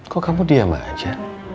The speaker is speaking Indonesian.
kok kamu diam aja